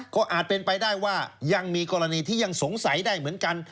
ก็อาจเป็นไปได้ว่ายังมีกรณีที่ยังสงสัยได้เหมือนกัน